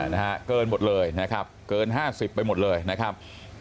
นะฮะเกินหมดเลยนะครับเกิน๕๐ไปหมดเลยนะครับ